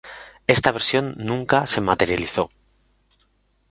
Esta versión nunca se materializó.